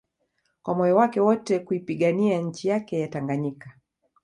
kwa moyo wake wote kuipigania nchi yake ya Tanganyika